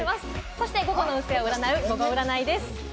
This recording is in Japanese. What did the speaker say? そして午後の運勢を占う、ゴゴ占いです。